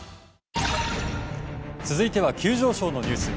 続いては急上昇のニュース。